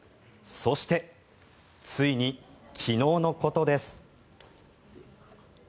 そして、ついに昨日のことです。